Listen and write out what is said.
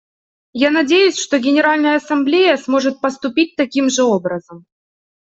Я надеюсь, что Генеральная Ассамблея сможет поступить таким же образом.